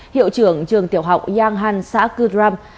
hiệu trưởng trường tiểu học giang hàn xã cư đram